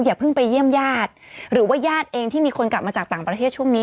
อย่าเพิ่งไปเยี่ยมญาติหรือว่าญาติเองที่มีคนกลับมาจากต่างประเทศช่วงนี้